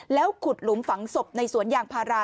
แล้วขุดหลุมฝังศพในสวนยางพารา